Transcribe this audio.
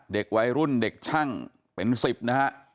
เด็กวัยรุ่นเด็กช่างเป็น๑๐นะฮะ